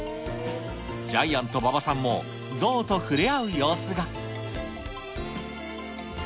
ジャイアント馬場さんもゾウと触れ合う様子が。